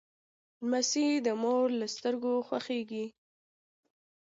لمسی د مور له سترګو خوښیږي.